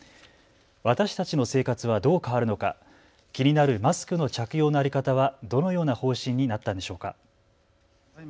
私たちの生活はどう変わるのか気になるマスクの着用の在り方はどのような方針になったんでしょうか。